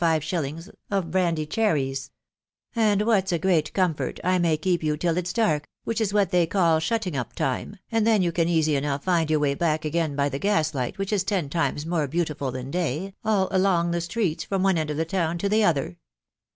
five shillings, of brandy cher ries .... And what's a great comfort, I may keep you till it's dark, which is what they call shutting up time, and then you can easy enough find your way back again by the gaslight, which is ten times more beautiful than day, all along the streets from one end of the town to the other.